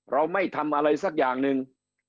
เราไม่ทำอะไรสักอย่างหนึ่ง